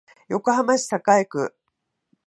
横浜市栄区